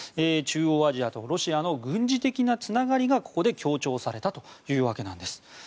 中央アジアとロシアの軍事的なつながりがここで強調されたというわけなんです。